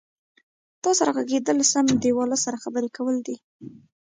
تا سره غږېدل سم دیواله سره خبرې کول دي.